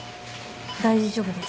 大丈夫です。